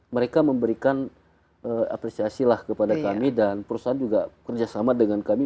mereka memberikan apresiasi lah kepada kami dan perusahaan juga kerjasama dengan kami